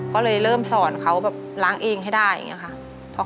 ก็เลยเริ่มสอนเขาแบบล้างเองให้ได้อย่างนี้ค่ะ